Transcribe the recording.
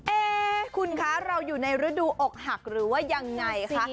เอ๊คุณคะเราอยู่ในฤดูอกหักหรือว่ายังไงคะ